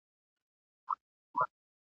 چي ړندې کي غبرګي سترګي د اغیارو ..